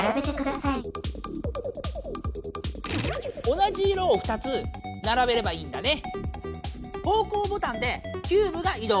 同じ色を２つならべればいいんだね。